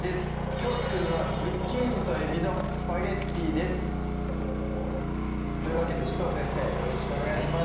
きょう作るのは「ズッキーニと海老のスパゲッティ」ですというわけで紫藤先生よろしくお願いします